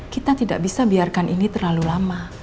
kita tidak bisa biarkan ini terlalu lama